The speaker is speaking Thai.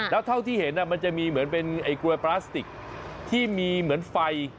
แล้วเท่าที่เห็นมันจะมีเหมือนเป็นกลวยพลาสติกที่มีเหมือนไฟ